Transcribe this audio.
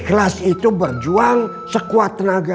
kelas itu berjuang sekuat tenaga